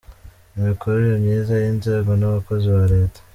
Imikorere myiza y’inzego n’abakozi ba Leta.